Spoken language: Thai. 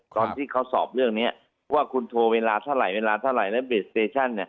ตอนที่เขาสอบเรื่องนี้ว่าคุณโทรเวลาเท่าไหร่เวลาเท่าไหร่แล้วเบสเตชั่น